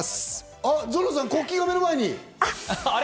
ぞのさん、国旗が目の前に。